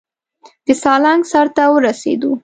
د سالنګ سر ته ورسېدو.